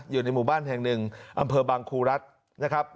อยู่ในหมู่บ้านแห่งหนึ่งอำเภอบางครูรัฐนะครับ